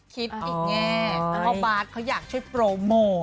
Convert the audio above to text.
คิดอีกแง่เพราะบาทเขาอยากช่วยโปรโมท